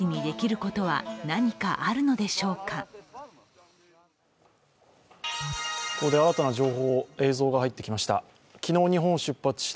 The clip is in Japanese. ここで新たな情報映像が入ってきました。